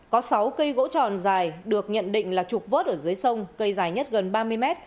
có sáu cây gỗ tròn dài được nhận định là trục vớt ở dưới sông cây dài nhất gần ba mươi mét